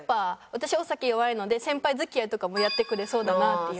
私お酒弱いので先輩付き合いとかもやってくれそうだなっていう。